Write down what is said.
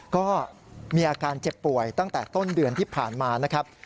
ก็มีอาการเจ็บป่วยตั้งแต่ต้นเดือนที่ผ่านมานะครับ